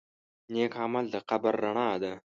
نیک عمل د قبر رڼا ده.